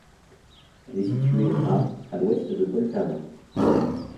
Elle est située à à l'ouest de Poltava.